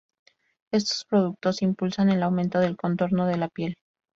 Estos productos impulsan el aumento del contorno de la piel.